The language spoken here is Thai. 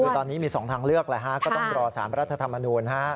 คือตอนนี้มี๒ทางเลือกก็ต้องรอ๓รัฐธรรมนูล